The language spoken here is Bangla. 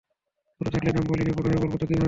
ছোট থাকতেই নাম বলিনি, বড় হয়ে বলব তা কীভাবে ভাবলে?